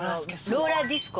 ローラーディスコ？